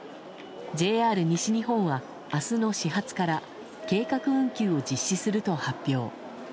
ＪＲ西日本は明日の始発から計画運休を実施すると発表。